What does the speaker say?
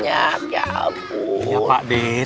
apaan itu dia